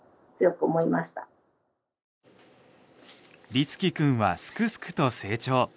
律伎くんはすくすくと成長。